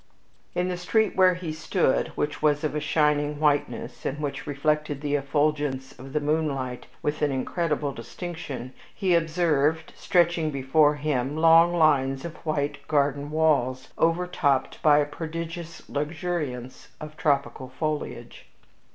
In the street where he stood, which was of a shining whiteness and which reflected the effulgence of the moonlight with an incredible distinction, he observed, stretching before him, long lines of white garden walls, overtopped by a prodigious luxuriance of tropical foliage.